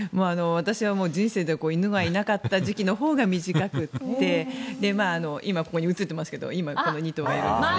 私は人生では犬がいなかった時期のほうが短くて今、ここに写っていますがこの２頭がいるんですね。